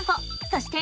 そして。